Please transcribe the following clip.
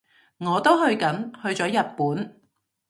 我都去緊，去咗日本